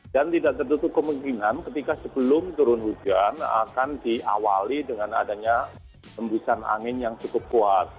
tidak tertutup kemungkinan ketika sebelum turun hujan akan diawali dengan adanya hembusan angin yang cukup kuat